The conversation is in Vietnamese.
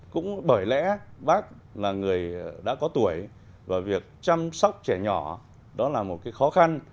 cũng bởi lẽ bác là người đã có tuổi và việc chăm sóc trẻ nhỏ đó là một cái khó khăn